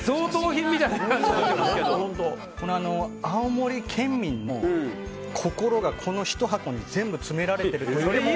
青森県民の心がこのひと箱に全部詰められているといっても。